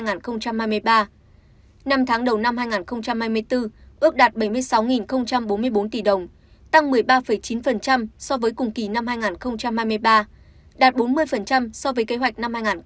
năm tháng đầu năm hai nghìn hai mươi bốn ước đạt bảy mươi sáu bốn mươi bốn tỷ đồng tăng một mươi ba chín so với cùng kỳ năm hai nghìn hai mươi ba đạt bốn mươi so với kế hoạch năm hai nghìn hai mươi ba